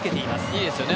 いいですね